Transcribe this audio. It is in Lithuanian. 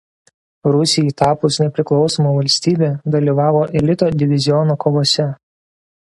Rusijai tapus nepriklausoma valstybe dalyvavo elito diviziono kovose.